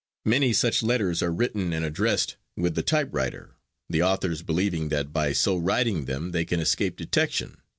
Many such letters are written and addressed with the typewriter, the authors believing that by so writing them they can escape detection.